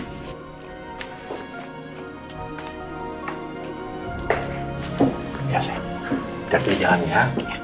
kita pergi jalan ya